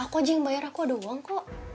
kok aja yang bayar aku ada uang kok